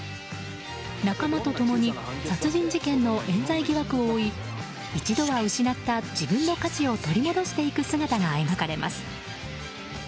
仲間と共に殺人事件の冤罪疑惑を追い一度は失った自分の価値を取り戻していく姿が描かれます。